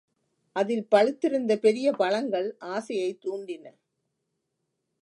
அதில் பழுத்திருந்த பெரிய பழங்கள் ஆசையைத் தூண்டின.